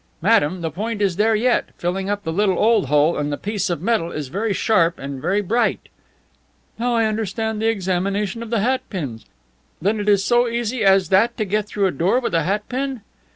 Madame, the point is there yet, filling up the little old hole and the piece of metal is very sharp and very bright." "Now I understand the examination of the hat pins. Then it is so easy as that to get through a door with a hat pin?"